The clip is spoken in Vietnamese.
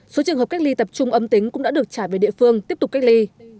số trường hợp cách ly tập trung âm tính cũng đã được trả về địa phương tiếp tục cách ly